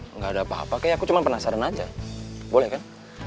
enggak ada apa apa kayak aku cuma penasaran aja boleh kan